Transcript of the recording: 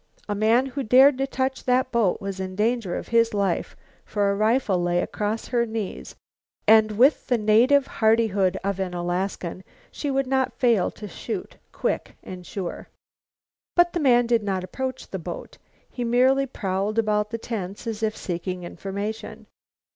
A man who dared touch that boat was in danger of his life, for a rifle lay across her knees and, with the native hardihood of an Alaskan, she would not fail to shoot quick and sure. But the man did not approach the boat. He merely prowled about the tents as if seeking information.